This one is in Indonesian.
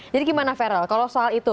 jadi gimana feral kalau soal itu